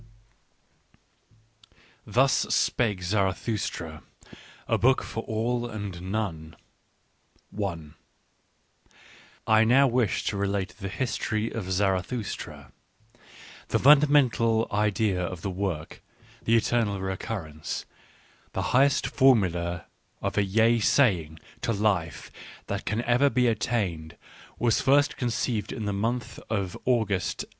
"Thus Spake Zarathustra: A Book for All and None " I now wish to rglatethe history of Z arathus tra. The fundamental idea~oi the work, the Eternal Recurrence, the highest formula of a Yea saying to life that can ever be attained, was first conceived in the month of August 1881.